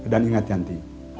dan ingat yanti